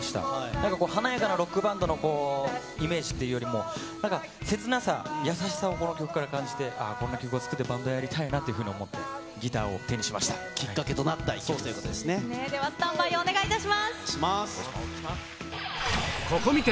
なんか華やかなロックバンドのイメージというよりも、なんか、切なさ、優しさをこの曲から感じて、あー、こんな曲を作って、バンドやりたいなと思って、きっかけとなった一曲というでは、スタンバイをお願いいここ観て！